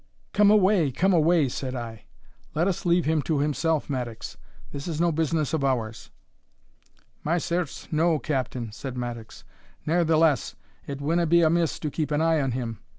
"Come away, come away," said I; "let us leave him to himself, Mattocks; this is no business of ours." "My certes, no, Captain," said Mattocks; "ne'ertheless, it winna be amiss to keep an eye on him.